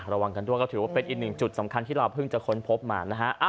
ระวังกันด้วยก็ถือว่าเป็นอีกหนึ่งจุดสำคัญที่เราเพิ่งจะค้นพบมานะฮะ